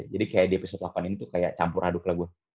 jadi kayak di episode delapan ini tuh kayak campur aduk lah gue